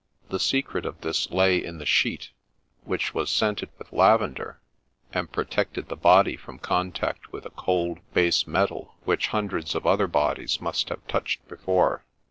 The secret of this lay in the sheet, which was fragrant of lavender, and protected the body from contact with a cold, base metal which hundreds of other bodies must have touched before.